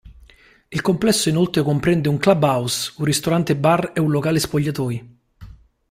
Il complesso inoltre comprende una club house, un ristorante-bar e un locale spogliatoi.